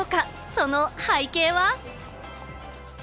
その背景は？